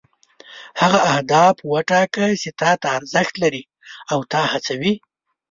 هغه اهداف وټاکه چې تا ته ارزښت لري او تا هڅوي.